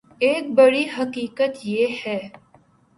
ایک بڑی حقیقت یہ ہے